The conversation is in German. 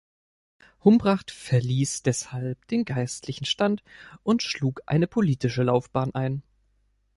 Humbracht verließ deshalb den geistlichen Stand und schlug eine politische Laufbahn ein.